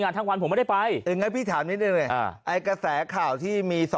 งานทั้งวันผมไม่ได้ไปปิถามด้วยกระแสข่าวที่มี